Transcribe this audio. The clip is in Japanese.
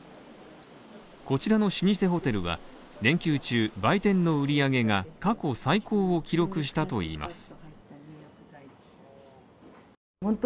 こちらの老舗ホテルは、連休中売店の売り上げが過去最高を記録したといいます。